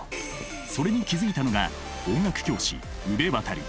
それに気付いたのが音楽教師宇部渉。